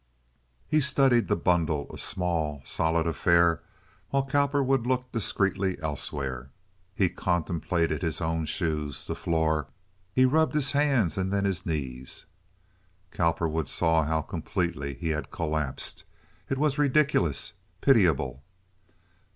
He studied the bundle—a small, solid affair—while Cowperwood looked discreetly elsewhere. He contemplated his own shoes, the floor. He rubbed his hands and then his knees. Cowperwood saw how completely he had collapsed. It was ridiculous, pitiable.